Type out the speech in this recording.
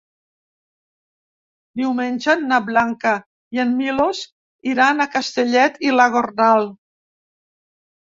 Diumenge na Blanca i en Milos iran a Castellet i la Gornal.